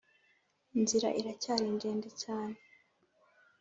inzira iracyari ndende cyane.